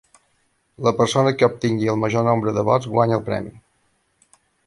La persona que obtingui el major nombre de vots guanya el premi.